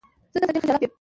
زه درته ډېر خجالت يم.